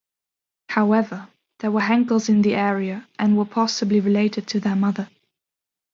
However, there were Henkles in the area and were possibly related to their mother.